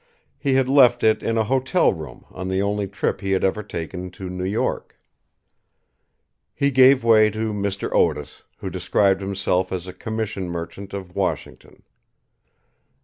He had left it in a hotel room on the only trip he had ever taken to New York. He gave way to Mr. Otis, who described himself as a commission merchant of Washington.